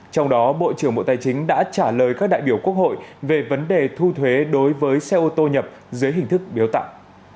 trong đó bộ trưởng bộ tài chính đã trả lời các đại biểu quốc hội về vấn đề thu thuế đối với xe ô tô nhập dưới hình thức biếu tặng